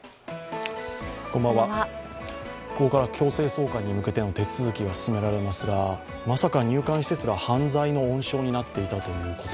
これから強制送還に向けての手続きが進められますがまさか入管施設が犯罪の温床になっていたということ。